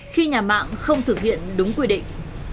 khi nhà mạng không thực hiện đúng quy định